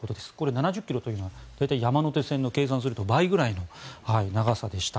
７０ｋｍというのは山手線で計算すると倍ぐらいの長さでした。